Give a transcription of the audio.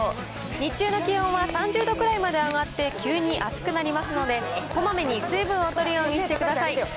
日中の気温は３０度くらいまで上がって、急に暑くなりますので、こまめに水分をとるようにしてください。